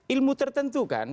ilmu tertentu kan